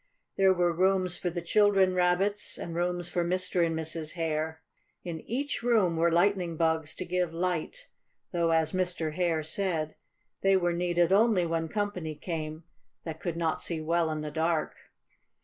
There were rooms for the children Rabbits and rooms for Mr. and Mrs. Hare. In each room were lightning bugs to give light, though as Mr. Hare said, they were needed only when company came that could not see well in the dark.